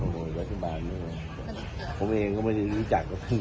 คือรัฐบาลจะต้องทำอะไรมากกว่านี้เพราะว่ากระทบเนี้ย